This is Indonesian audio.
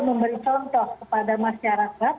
memberi contoh kepada masyarakat